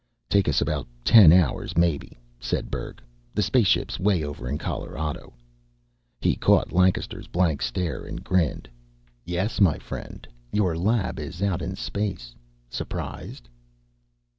"Take us about ten hours, maybe," said Berg. "The spaceship's 'way over in Colorado." He caught Lancaster's blank stare, and grinned. "Yes, my friend, your lab is out in space. Surprised?"